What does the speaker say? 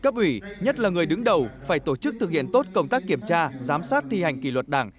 cấp ủy nhất là người đứng đầu phải tổ chức thực hiện tốt công tác kiểm tra giám sát thi hành kỷ luật đảng